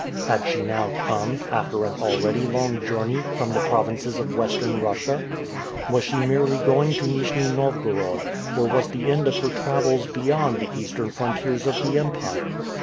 Had she now come, after an already long journey, from the provinces of Western Russia? Was she merely going to Nijni Novgorod, or was the end of her travels beyond the eastern frontiers of the empire?